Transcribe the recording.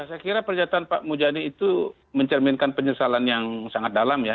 saya kira pernyataan pak mujani itu mencerminkan penyesalan yang sangat dalam ya